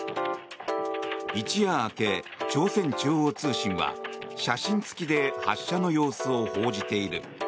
一夜明け、朝鮮中央通信は写真付きで発射の様子を報じている。